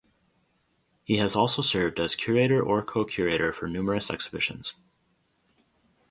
He has also served as curator or co-curator for numerous exhibitions.